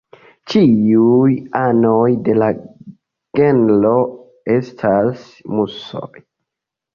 Ĉiuj anoj de la genro estas musoj.